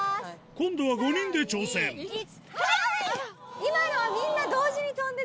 今度は５人で挑戦２・１はい！